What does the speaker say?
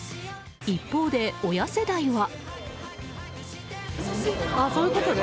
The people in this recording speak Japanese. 一方で、親世代は。